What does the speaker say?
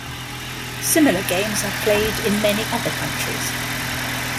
Similar games are played in many other countries.